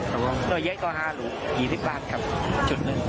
น้วยใหญ่ก็๕ลูก๒๐บาทครับจุดหนึ่ง